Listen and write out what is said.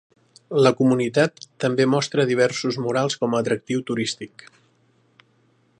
La comunitat també mostra diversos murals com a atractiu turístic.